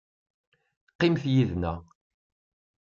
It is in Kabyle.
Qqimet yid-nneɣ.